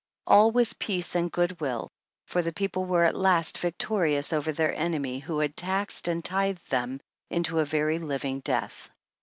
All was peace and good will, for the people were at last victorious over their enemies who had taxed and tithed them into a very living death.